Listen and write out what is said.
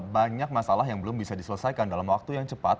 banyak masalah yang belum bisa diselesaikan dalam waktu yang cepat